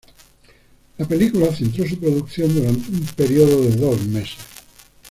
La película centró su producción durante un período de dos meses.